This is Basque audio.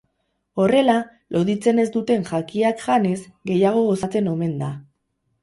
Horrela, loditzen ez duten jakiak janez, gehiago gozatzen omen da.